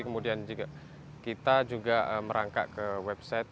kemudian kita juga merangkak ke website